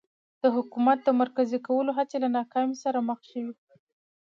د حکومت د مرکزي کولو هڅې له ناکامۍ سره مخ شوې.